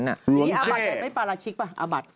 อาบัติไม่ปาราชิกเปล่าอาบัติ